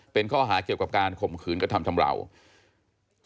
เป็นข้อหาเกี่ยวกับการคมคืนกธรรมทำร่วน